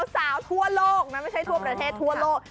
สาวทั่วโลกนะไม่ใช่ทั่วประเทศทั่วโลก